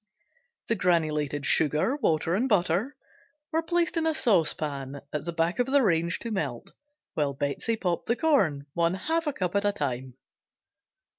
The granulated sugar, water and butter were placed in a saucepan at the back of the range to melt while Betsey popped the corn, one half a cup at a time.